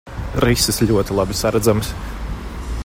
Rises ļoti labi saredzamas.